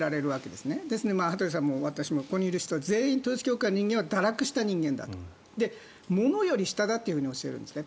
ですので、羽鳥さんも私もここにいる人間は全員統一教会の人間は堕落した人間だとものより下だと教えるんですね。